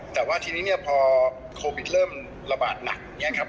แต่ว่าทีนี้เนี่ยพอโควิดเริ่มระบาดหนักอย่างนี้ครับ